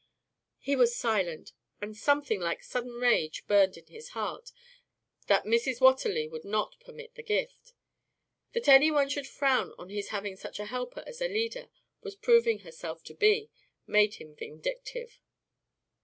He was silent, and something like sudden rage burned in his heart that Mrs. Watterly would not permit the gift. That anyone should frown on his having such a helper as Alida was proving herself to be, made him vindictive.